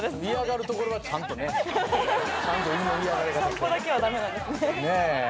散歩だけは駄目なんですね。